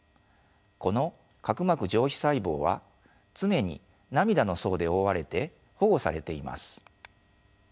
この角膜上皮細胞は常に涙の層で覆われて保護されています。